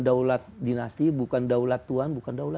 daulat dinasti bukan daulat tuan